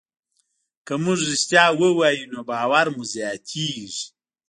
که موږ ریښتیا ووایو نو باور مو زیاتېږي.